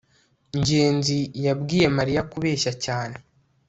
ngenzi yabwiye mariya kubeshya cyane